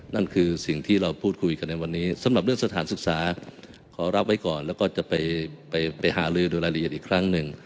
นั่นคือสิ่งที่เราพูดคุยกันในวันนี้สำหรับเรื่องสถานศึกษาขอรับไว้ก่อนแล้วก็จะไปหาลือดูรายละเอียดอีกครั้งหนึ่ง